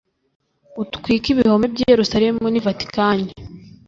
utwike ibihome by i Yerusalemu ni vatikani